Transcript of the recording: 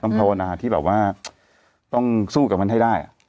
ต้องประวณาที่ต้องสู้กับมันให้ได้